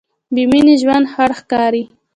بېمینې ژوند خړ ښکاري.